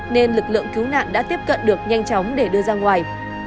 nên lực lượng cứu nạn đã tiếp cận được nhanh chóng để đưa ra ngoài